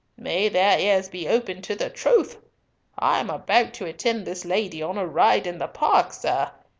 May their ears be opened to the truth! I am about to attend this lady on a ride in the Park, sir.